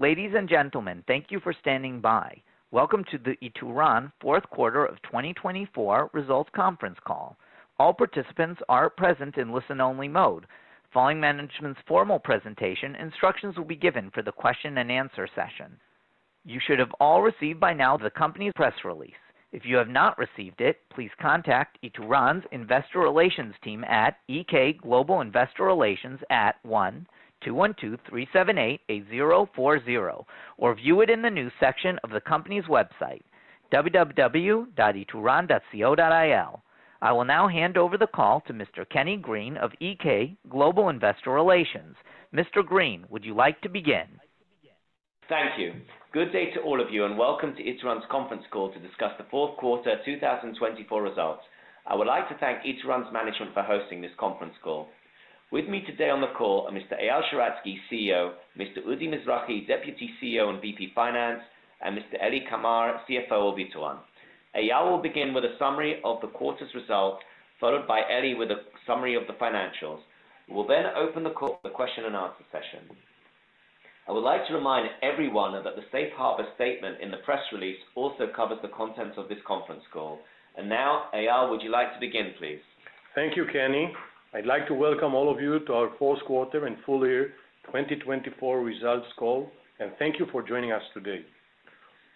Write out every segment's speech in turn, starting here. Ladies and gentlemen, thank you for standing by. Welcome to the Ituran Fourth Quarter of 2024 Results Conference call. All participants are present in listen-only mode. Following management's formal presentation, instructions will be given for the question-and-answer session. You should have all received by now the company's press release. If you have not received it, please contact Ituran's Investor Relations team at EK Global Investor Relations at 1-212-378-8040 or view it in the news section of the company's website, www.ituran.co.il. I will now hand over the call to Mr. Kenny Green of EK Global Investor Relations. Mr. Green, would you like to begin? Thank you. Good day to all of you, and welcome to Ituran's conference call to discuss the Quarter 2024 results. I would like to thank Ituran's management for hosting this conference call. With me today on the call are Mr. Eyal Sheratzky, CEO, Mr. Udi Mizrahi, Deputy CEO and VP Finance, and Mr. Eli Kamer, CFO of Ituran. Eyal will begin with a summary of the quarter's results, followed by Eli with a summary of the financials. We will then open the call for the question-and-answer session. I would like to remind everyone that the safe harbor statement in the press release also covers the contents of this conference call, and now, Eyal, would you like to begin, please? Thank you, Kenny. I'd like to welcome all of you to our Fourth Quarter and Full Year 2024 results call, and thank you for joining us today.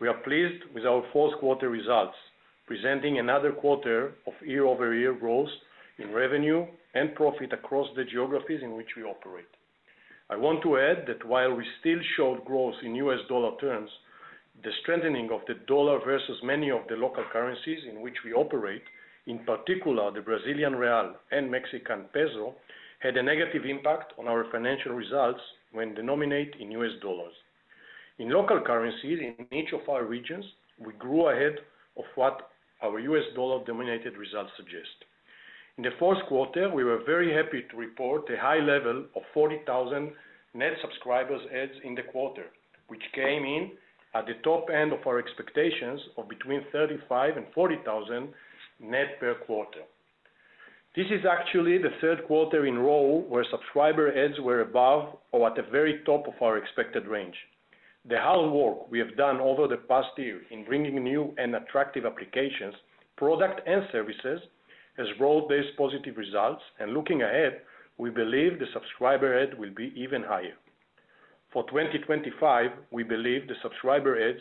We are pleased with our Fourth Quarter results, presenting another quarter of year-over-year growth in revenue and profit across the geographies in which we operate. I want to add that while we still showed growth in US dollar terms, the strengthening of the dollar versus many of the local currencies in which we operate, in particular the Brazilian Real and Mexican Peso, had a negative impact on our financial results when denominated in US dollars. In local currencies, in each of our regions, we grew ahead of what our US dollar-denominated results suggest. In the fourth quarter, we were very happy to report a high level of 40,000 net subscriber adds in the quarter, which came in at the top end of our expectations of between 35,000 and 40,000 net per quarter. This is actually the third quarter in a row where subscriber adds were above or at the very top of our expected range. The hard work we have done over the past year in bringing new and attractive applications, products, and services has brought these positive results, and looking ahead, we believe the subscriber adds will be even higher. For 2025, we believe the subscriber adds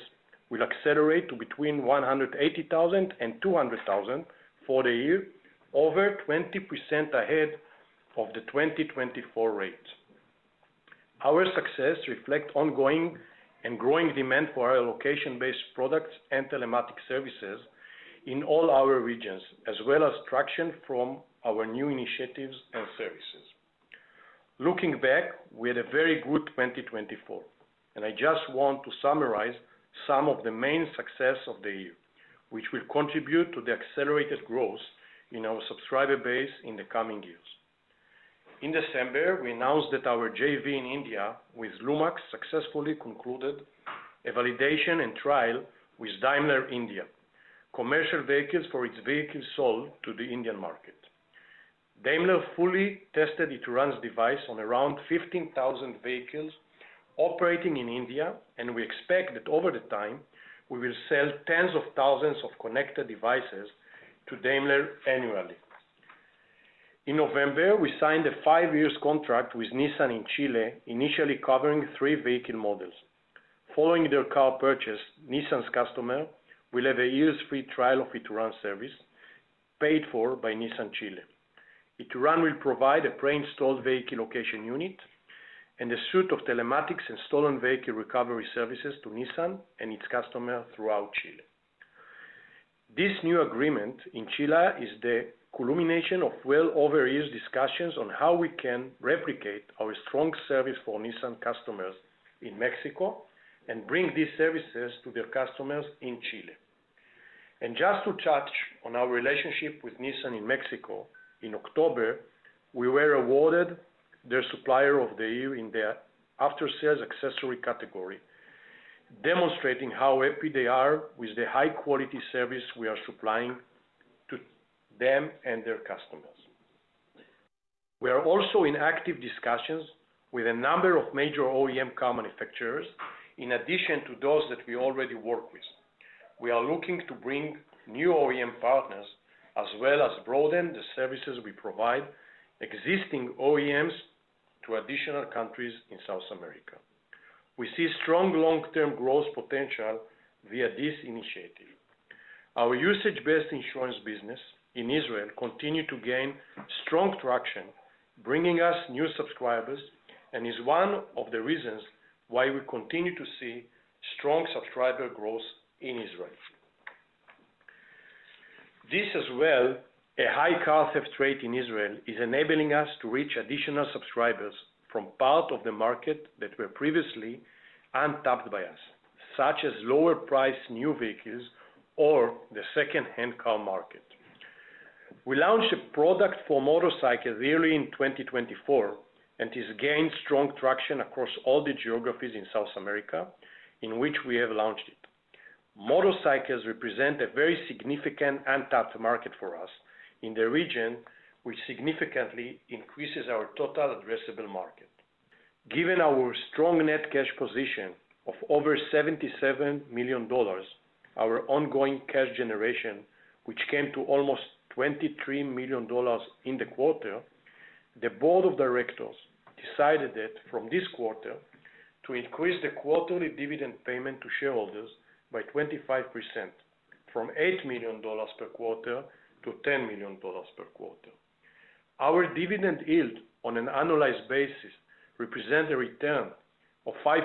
will accelerate to between 180,000 and 200,000 for the year, over 20% ahead of the 2024 rate. Our success reflects ongoing and growing demand for our location-based products and telematics services in all our regions, as well as traction from our new initiatives and services. Looking back, we had a very good 2024, and I just want to summarize some of the main successes of the year, which will contribute to the accelerated growth in our subscriber base in the coming years. In December, we announced that our JV in India with Lumax successfully concluded a validation and trial with Daimler India Commercial Vehicles for its vehicles sold to the Indian market. Daimler fully tested Ituran's device on around 15,000 vehicles operating in India, and we expect that over time, we will sell tens of thousands of connected devices to Daimler annually. In November, we signed a five-year contract with Nissan in Chile, initially covering three vehicle models. Following their car purchase, Nissan's customer will have a year's free trial of Ituran's service, paid for by Nissan Chile. Ituran will provide a pre-installed vehicle location unit and a suite of telematics and stolen vehicle recovery services to Nissan and its customers throughout Chile. This new agreement in Chile is the culmination of well over a year of discussions on how we can replicate our strong service for Nissan customers in Mexico and bring these services to their customers in Chile. Just to touch on our relationship with Nissan in Mexico, in October, we were awarded their Supplier of the Year in the After-Sales Accessory category, demonstrating how happy they are with the high-quality service we are supplying to them and their customers. We are also in active discussions with a number of major OEM car manufacturers, in addition to those that we already work with. We are looking to bring new OEM partners as well as broaden the services we provide existing OEMs to additional countries in South America. We see strong long-term growth potential via this initiative. Our usage-based insurance business in Israel continues to gain strong traction, bringing us new subscribers, and is one of the reasons why we continue to see strong subscriber growth in Israel. This as well, a high car theft rate in Israel, is enabling us to reach additional subscribers from parts of the market that were previously untapped by us, such as lower-priced new vehicles or the second-hand car market. We launched a product for motorcycles early in 2024, and it has gained strong traction across all the geographies in South America in which we have launched it. Motorcycles represent a very significant untapped market for us in the region, which significantly increases our total addressable market. Given our strong net cash position of over $77 million, our ongoing cash generation, which came to almost $23 million in the quarter, the Board of Directors decided that from this quarter, to increase the quarterly dividend payment to shareholders by 25%, from $8 million per quarter to $10 million per quarter. Our dividend yield on an annualized basis represents a return of 5%,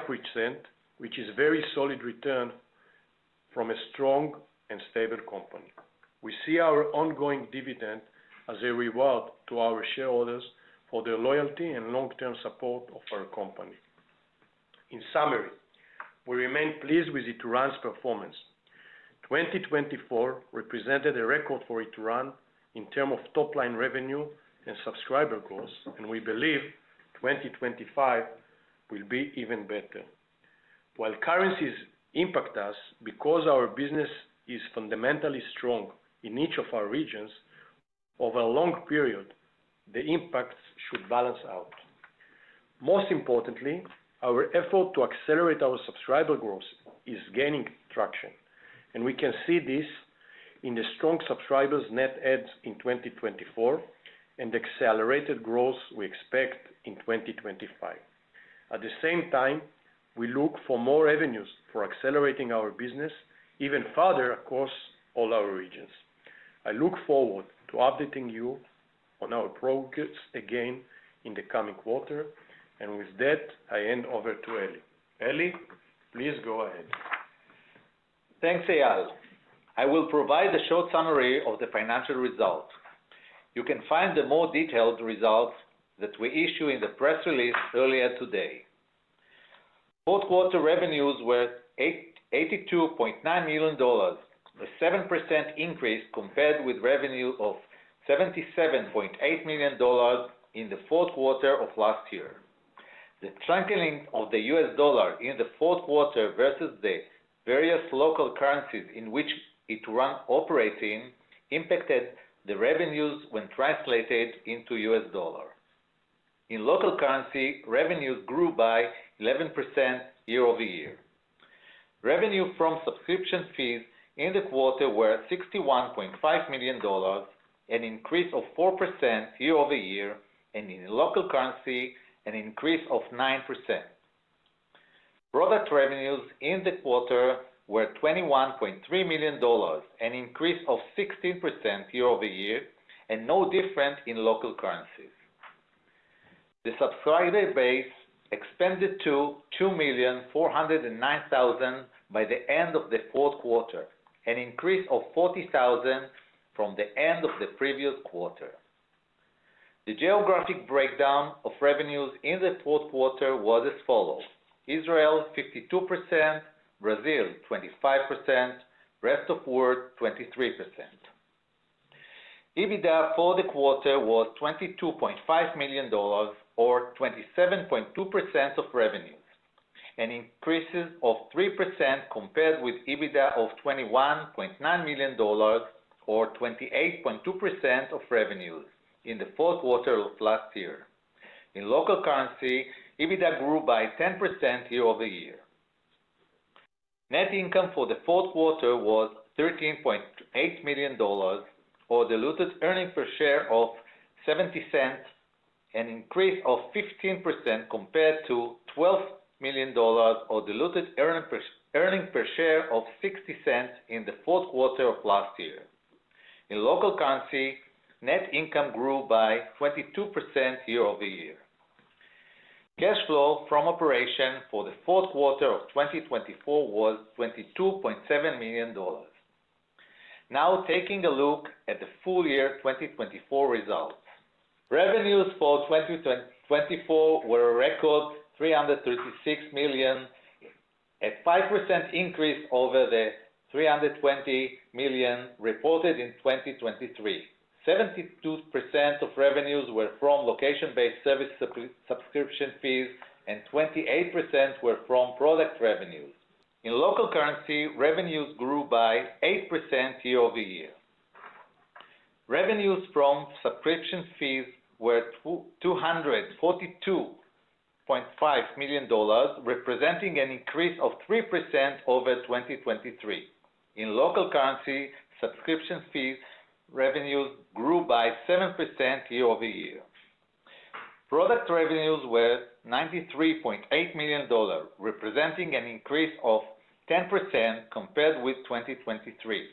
which is a very solid return from a strong and stable company. We see our ongoing dividend as a reward to our shareholders for their loyalty and long-term support of our company. In summary, we remain pleased with Ituran's performance. 2024 represented a record for Ituran in terms of top-line revenue and subscriber growth, and we believe 2025 will be even better. While currencies impact us because our business is fundamentally strong in each of our regions, over a long period, the impacts should balance out. Most importantly, our effort to accelerate our subscriber growth is gaining traction, and we can see this in the strong subscribers' net adds in 2024 and the accelerated growth we expect in 2025. At the same time, we look for more avenues for accelerating our business even further across all our regions. I look forward to updating you on our progress again in the coming quarter, and with that, I hand over to Eli. Eli, please go ahead. Thanks, Eyal. I will provide a short summary of the financial results. You can find the more detailed results that we issued in the press release earlier today. Fourth quarter revenues were $82.9 million, a 7% increase compared with revenue of $77.8 million in the fourth quarter of last year. The strengthening of the U.S. dollar in the fourth quarter versus the various local currencies in which Ituran operates in impacted the revenues when translated into U.S. dollars. In local currency, revenues grew by 11% year-over-year. Revenue from subscription fees in the quarter were $61.5 million, an increase of 4% year-over-year, and in local currency, an increase of 9%. Product revenues in the quarter were $21.3 million, an increase of 16% year-over-year, and no different in local currencies. The subscriber base expanded to 2,409,000 by the end of the fourth quarter, an increase of 40,000 from the end of the previous quarter. The geographic breakdown of revenues in the fourth quarter was as follows: Israel, 52%; Brazil, 25%; rest of the world, 23%. EBITDA for the quarter was $22.5 million, or 27.2% of revenues, an increase of 3% compared with EBITDA of $21.9 million, or 28.2% of revenues in the fourth quarter of last year. In local currency, EBITDA grew by 10% year-over-year. Net income for the fourth quarter was $13.8 million, or a diluted earning per share of $0.70, an increase of 15% compared to $12 million, or a diluted earning per share of $0.60 in the fourth quarter of last year. In local currency, net income grew by 22% year-over-year. Cash flow from operations for the fourth quarter of 2024 was $22.7 million. Now, taking a look at the full year 2024 results, revenues for 2024 were a record $336 million, a 5% increase over the $320 million reported in 2023. 72% of revenues were from location-based service subscription fees, and 28% were from product revenues. In local currency, revenues grew by 8% year-over-year. Revenues from subscription fees were $242.5 million, representing an increase of 3% over 2023. In local currency, subscription fee revenues grew by 7% year-over-year. Product revenues were $93.8 million, representing an increase of 10% compared with 2023.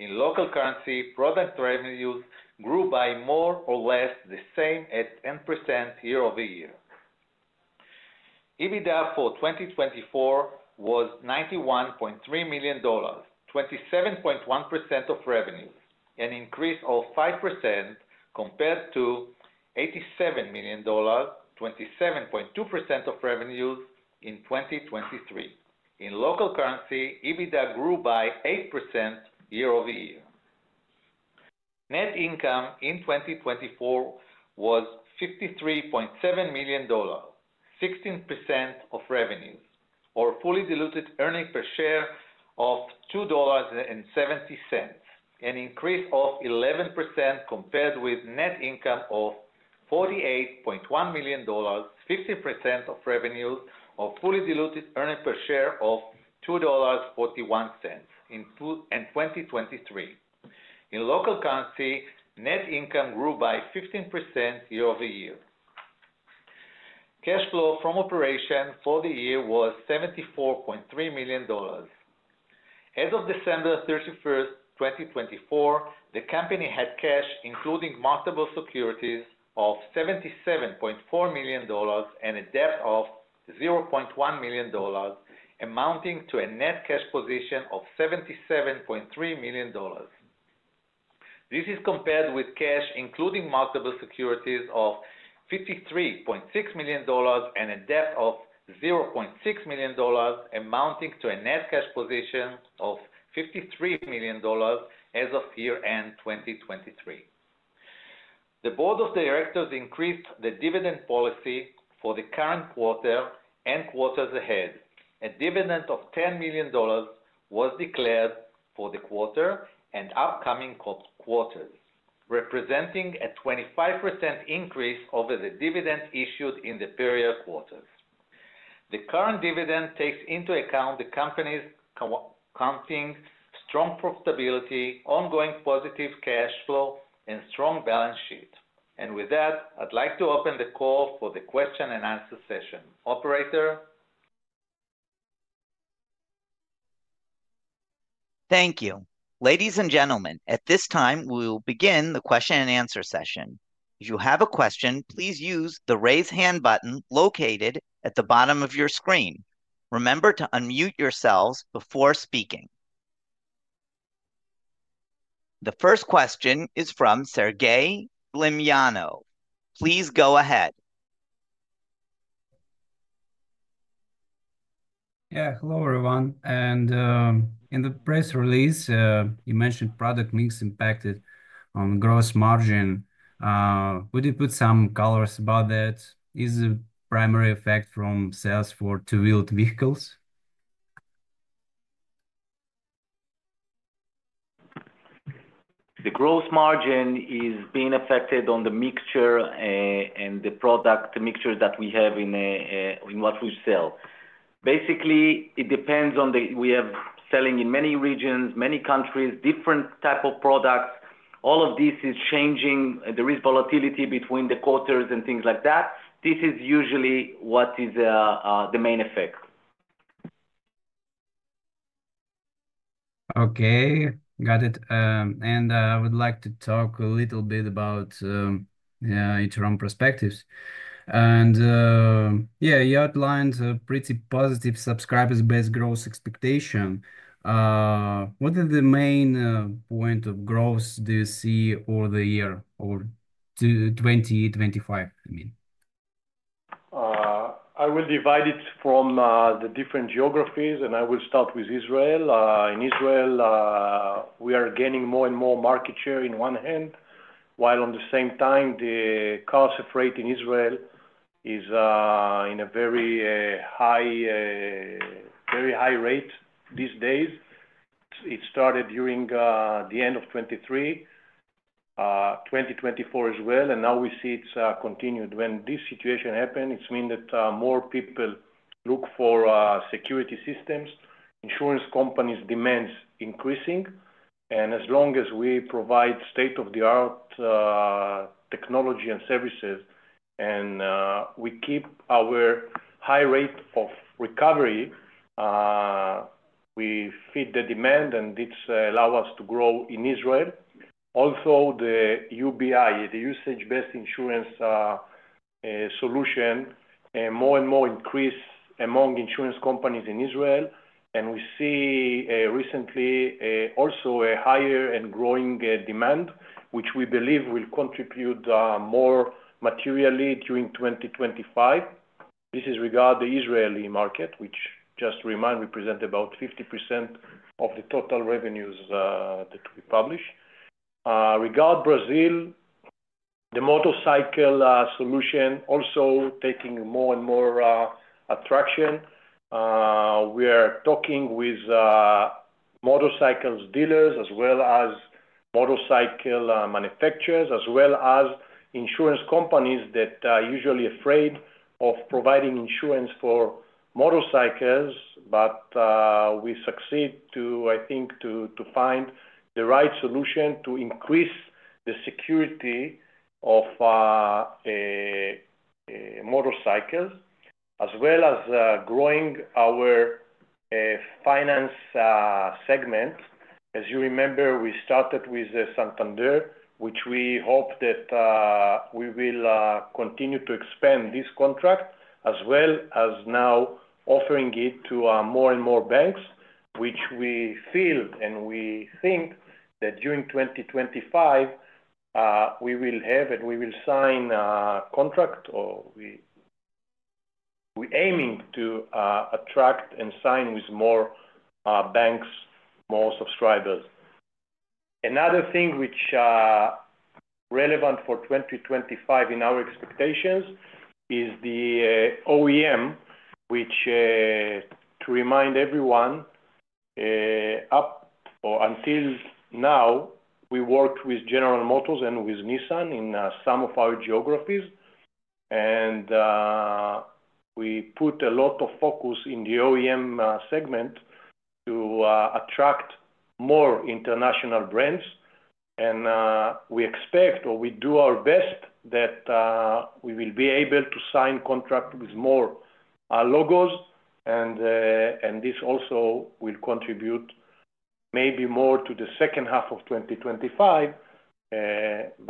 In local currency, product revenues grew by more or less the same at 10% year-over-year. EBITDA for 2024 was $91.3 million, 27.1% of revenues, an increase of 5% compared to $87 million, 27.2% of revenues in 2023. In local currency, EBITDA grew by 8% year-over-year. Net income in 2024 was $53.7 million, 16% of revenues, or a fully diluted earnings per share of $2.70, an increase of 11% compared with net income of $48.1 million, 15% of revenues, or a fully diluted earnings per share of $2.41 in 2023. In local currency, net income grew by 15% year-over-year. Cash flow from operations for the year was $74.3 million. As of December 31, 2024, the company had cash, including marketable securities, of $77.4 million and a debt of $0.1 million, amounting to a net cash position of $77.3 million. This is compared with cash, including marketable securities, of $53.6 million and a debt of $0.6 million, amounting to a net cash position of $53 million as of year-end 2023. The Board of Directors increased the dividend policy for the current quarter and quarters ahead. A dividend of $10 million was declared for the quarter and upcoming quarters, representing a 25% increase over the dividends issued in the previous quarters. The current dividend takes into account the company's accounting, strong profitability, ongoing positive cash flow, and strong balance sheet. And with that, I'd like to open the call for the question-and-answer session. Operator. Thank you. Ladies and gentlemen, at this time, we will begin the question-and-answer session. If you have a question, please use the raise hand button located at the bottom of your screen. Remember to unmute yourselves before speaking. The first question is from Sergey Glinyanov. Please go ahead. Yeah, hello, everyone. And in the press release, you mentioned product mix impacted on gross margin. Would you put some color about that? Is the primary effect from sales for two-wheeled vehicles? The gross margin is being affected on the mixture and the product mixture that we have in what we sell. Basically, it depends on, we are selling in many regions, many countries, different types of products. All of this is changing. There is volatility between the quarters and things like that. This is usually what is the main effect. Okay, got it. And I would like to talk a little bit about Ituran Perspectives. And yeah, you outlined a pretty positive subscribers' base growth expectation. What are the main points of growth do you see for the year or 2025, I mean? I will divide it from the different geographies, and I will start with Israel. In Israel, we are gaining more and more market share on one hand, while at the same time, the cost of rate in Israel is in a very high rate these days. It started during the end of 2023, 2024 as well, and now we see it's continued. When this situation happens, it means that more people look for security systems, insurance companies' demands increasing. And as long as we provide state-of-the-art technology and services and we keep our high rate of recovery, we feed the demand, and this allows us to grow in Israel. Also, the UBI, the usage-based insurance solution, more and more increases among insurance companies in Israel. And we see recently also a higher and growing demand, which we believe will contribute more materially during 2025. This is regarding the Israeli market, which, just to remind, represents about 50% of the total revenues that we publish. Regarding Brazil, the motorcycle solution is also taking more and more traction. We are talking with motorcycle dealers as well as motorcycle manufacturers, as well as insurance companies that are usually afraid of providing insurance for motorcycles, but we succeeded, I think, to find the right solution to increase the security of motorcycles, as well as growing our finance segment. As you remember, we started with Santander, which we hope that we will continue to expand this contract, as well as now offering it to more and more banks, which we feel and we think that during 2025, we will have and we will sign a contract, or we're aiming to attract and sign with more banks, more subscribers. Another thing which is relevant for 2025 in our expectations is the OEM, which, to remind everyone, up until now, we worked with General Motors and with Nissan in some of our geographies, and we put a lot of focus in the OEM segment to attract more international brands. And we expect, or we do our best, that we will be able to sign contracts with more logos, and this also will contribute maybe more to the second half of 2025.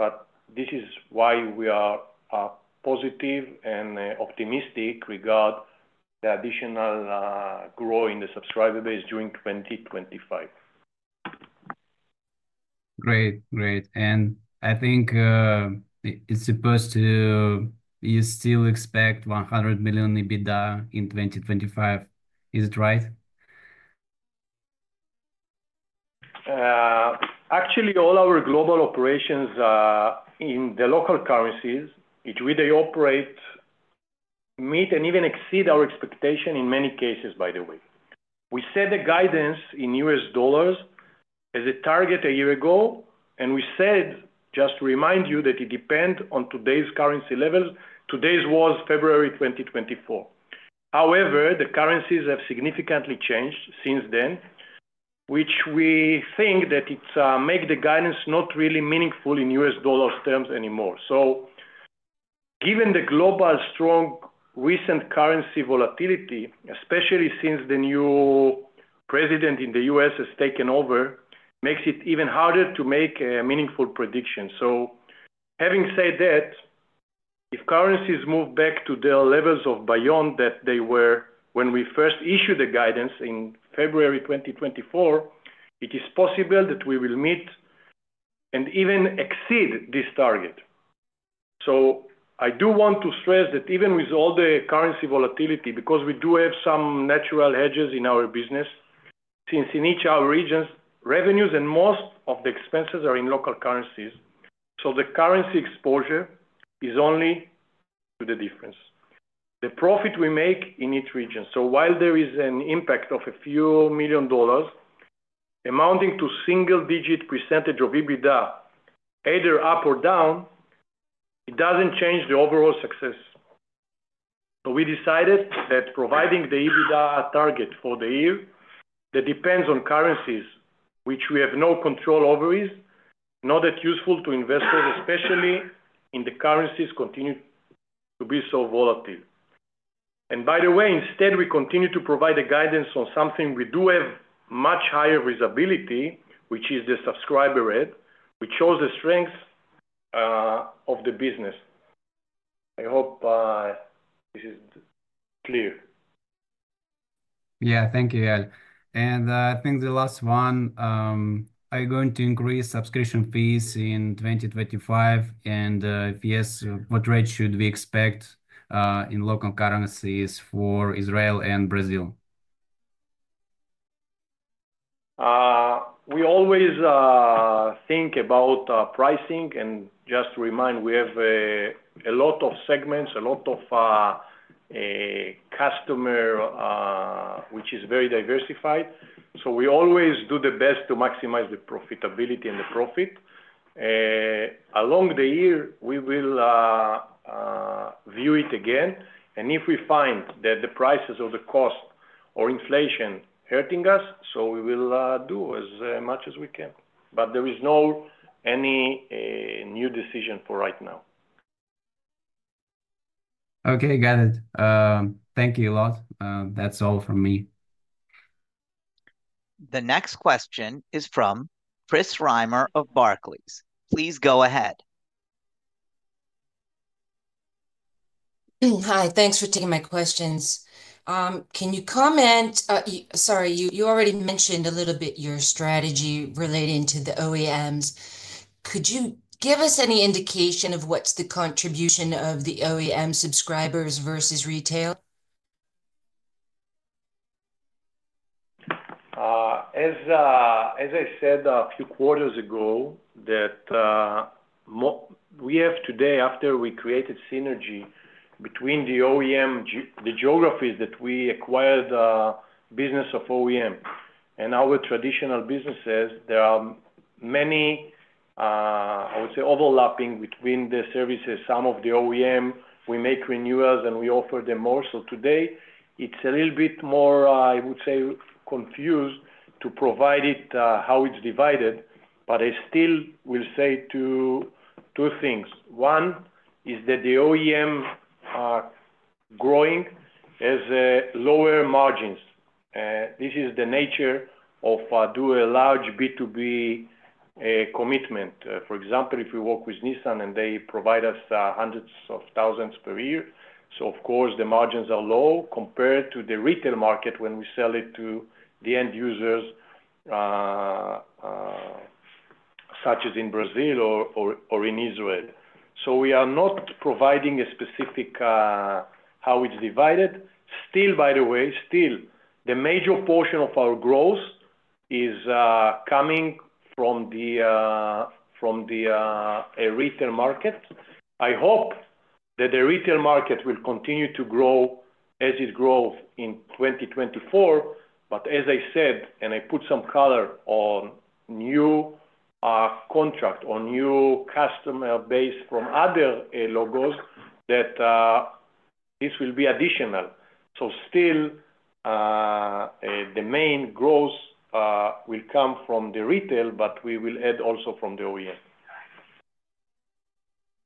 But this is why we are positive and optimistic regarding the additional growth in the subscriber base during 2025. Great, great. And I think it's supposed to, you still expect $100 million EBITDA in 2025. Is it right? Actually, all our global operations in the local currencies, which they operate, meet and even exceed our expectations in many cases, by the way. We set the guidance in U.S. dollars as a target a year ago, and we said, just to remind you, that it depends on today's currency levels. Today was February 2024. However, the currencies have significantly changed since then, which we think that it makes the guidance not really meaningful in U.S. dollars terms anymore. So given the global strong recent currency volatility, especially since the new president in the U.S. has taken over, it makes it even harder to make meaningful predictions. So having said that, if currencies move back to their levels of beyond that they were when we first issued the guidance in February 2024, it is possible that we will meet and even exceed this target. So I do want to stress that even with all the currency volatility, because we do have some natural hedges in our business, since in each region, revenues and most of the expenses are in local currencies, so the currency exposure is only the difference. The profit we make in each region, so while there is an impact of a few million dollars amounting to a single-digit % of EBITDA, either up or down, it doesn't change the overall success. So we decided that providing the EBITDA target for the year that depends on currencies, which we have no control over, is not that useful to investors, especially in the currencies that continue to be so volatile. And by the way, instead, we continue to provide the guidance on something we do have much higher visibility, which is the subscriber adds, which shows the strength of the business. I hope this is clear. Yeah, thank you, Eyal. And I think the last one, are you going to increase subscription fees in 2025? And if yes, what rate should we expect in local currencies for Israel and Brazil? We always think about pricing, and just to remind, we have a lot of segments, a lot of customers, which is very diversified. So we always do the best to maximize the profitability and the profit. Along the year, we will view it again. And if we find that the prices or the cost or inflation are hurting us, so we will do as much as we can. But there is no new decision for right now. Okay, got it. Thank you a lot. That's all from me. The next question is from Chris Reimer of Barclays. Please go ahead. Hi, thanks for taking my questions. Can you comment, sorry, you already mentioned a little bit your strategy relating to the OEMs. Could you give us any indication of what's the contribution of the OEM subscribers versus retail? As I said a few quarters ago, that we have today, after we created synergy between the OEM, the geographies that we acquired the business of OEM and our traditional businesses, there are many, I would say, overlapping between the services. Some of the OEM, we make renewals, and we offer them more. So today, it's a little bit more, I would say, confused to provide it how it's divided. But I still will say two things. One is that the OEM is growing at lower margins. This is the nature of doing a large B2B commitment. For example, if you work with Nissan and they provide us hundreds of thousands per year, so of course, the margins are low compared to the retail market when we sell it to the end users, such as in Brazil or in Israel. So we are not providing a specific how it's divided. Still, by the way, the major portion of our growth is coming from the retail market. I hope that the retail market will continue to grow as it grows in 2024. But as I said, and I put some color on new contract, on new customer base from other logos, that this will be additional. So still, the main growth will come from the retail, but we will add also from the OEM.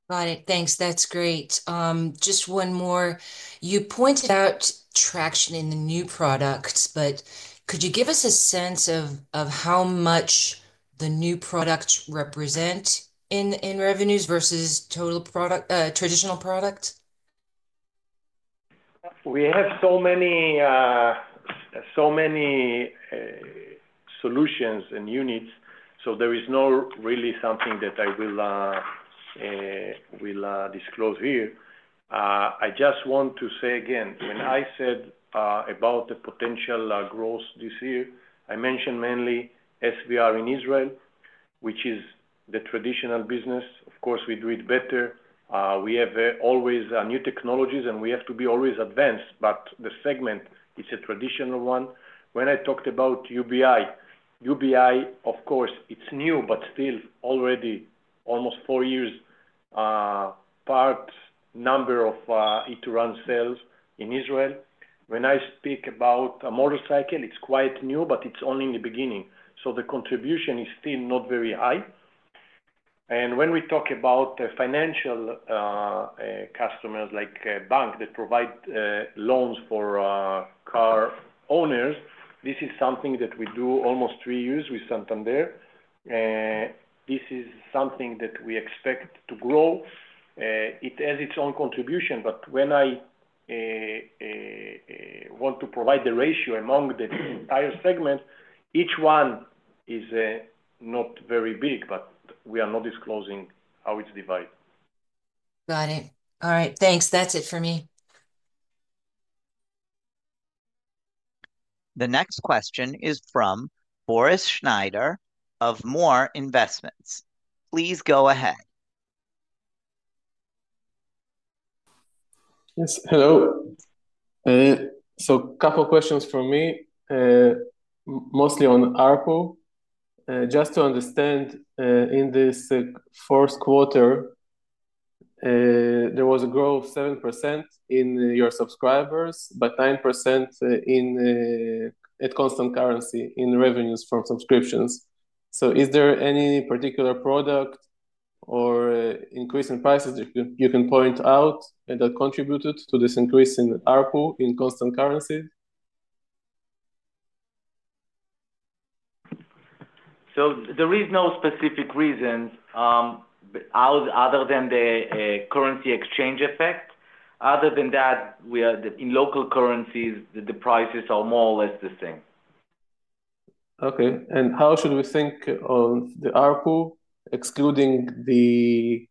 Got it. Thanks. That's great. Just one more. You pointed out traction in the new products, but could you give us a sense of how much the new products represent in revenues versus total traditional product? We have so many solutions and units, so there is no really something that I will disclose here. I just want to say again, when I said about the potential growth this year, I mentioned mainly SVR in Israel, which is the traditional business. Of course, we do it better. We have always new technologies, and we have to be always advanced, but the segment is a traditional one. When I talked about UBI, UBI, of course, it's new, but still already almost four years part number of Ituran sales in Israel. When I speak about a motorcycle, it's quite new, but it's only in the beginning. So the contribution is still not very high. When we talk about financial customers like a bank that provides loans for car owners, this is something that we do almost three years with Santander. This is something that we expect to grow as its own contribution. But when I want to provide the ratio among the entire segment, each one is not very big, but we are not disclosing how it's divided. Got it. All right. Thanks. That's it for me. The next question is from Boris Schneider of More Investment House. Please go ahead. Yes. Hello, so a couple of questions for me, mostly on ARPU. Just to understand, in this fourth quarter, there was a growth of 7% in your subscribers, but 9% at constant currency in revenues from subscriptions, so is there any particular product or increase in prices that you can point out that contributed to this increase in ARPU in constant currency? So there is no specific reason other than the currency exchange effect. Other than that, in local currencies, the prices are more or less the same. Okay. And how should we think of the ARPU, excluding the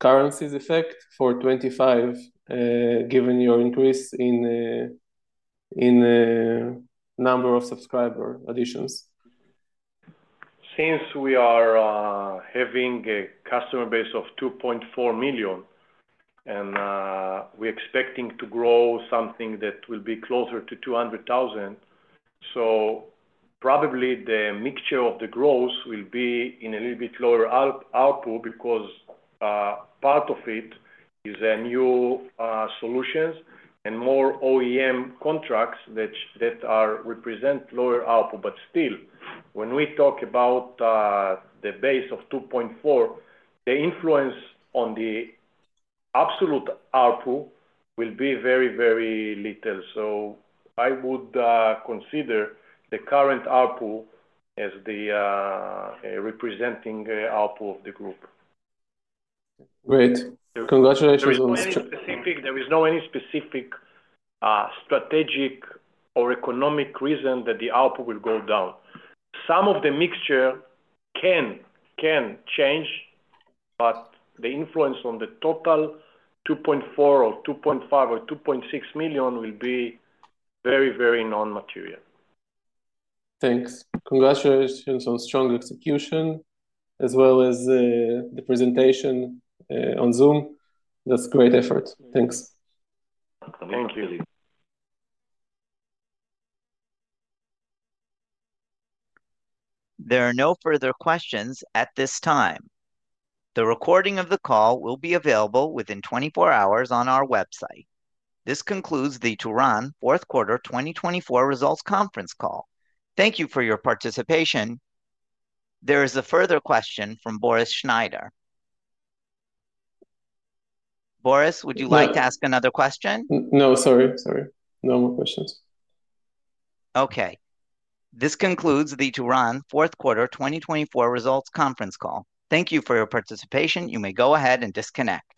currency's effect for 2025, given your increase in number of subscriber additions? Since we are having a customer base of 2.4 million, and we're expecting to grow something that will be closer to 200,000. So probably the mixture of the growth will be in a little bit lower ARPU because part of it is new solutions and more OEM contracts that represent lower ARPU. But still, when we talk about the base of 2.4, the influence on the absolute ARPU will be very, very little. So I would consider the current ARPU as representing the ARPU of the group. Great. Congratulations on the strategy. There is no specific strategic or economic reason that the ARPU will go down. Some of the mixture can change, but the influence on the total 2.4 or 2.5 or 2.6 million will be very, very non-material. Thanks. Congratulations on strong execution, as well as the presentation on Zoom. That's a great effort. Thanks. Thank you. There are no further questions at this time. The recording of the call will be available within 24 hours on our website. This concludes the Ituran Fourth Quarter 2024 Results Conference call. Thank you for your participation. There is a further question from Boris Schneider. Boris, would you like to ask another question? No, sorry, sorry. No more questions. Okay. This concludes the Ituran Fourth Quarter 2024 Results Conference call. Thank you for your participation. You may go ahead and disconnect.